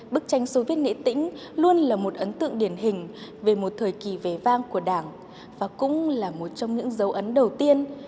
bức tranh soviet nghệ tĩnh luôn là một ấn tượng điển hình về một thời kỳ vẻ vang của đảng và cũng là một trong những dấu ấn đầu tiên